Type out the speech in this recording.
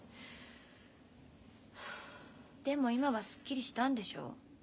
でも今はすっきりしたんでしょう。